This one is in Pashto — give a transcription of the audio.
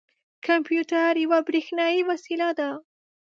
کمپیوټر یوه بریښنايې وسیله ده.